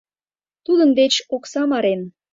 Тудын деч оксам арен.